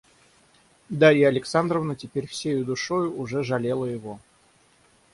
Дарья Александровна теперь всею душой уже жалела его.